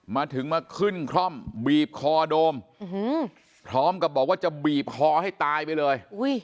มาถึงมาขึ้นคร่อมบีบคอโดมพร้อมกับบอกว่าจะบีบคอให้ตายไปเลย